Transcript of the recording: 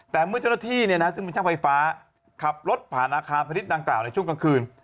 แต่เมื่อเจ้าหน้าที่ซึ่งเป็นช่างไฟฟ้าขับรถผ่านอาคารพนิษฐดังกล่าวในช่วงกลางคืน